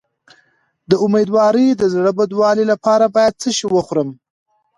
د امیدوارۍ د زړه بدوالي لپاره باید څه شی وخورم؟